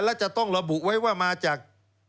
และจะต้องระบุไว้ว่ามาจาก